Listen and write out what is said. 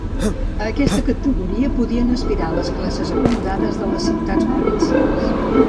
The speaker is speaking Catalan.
A aquesta categoria podien aspirar les classes acomodades de les ciutats provincials.